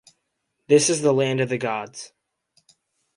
This is the land of the gods.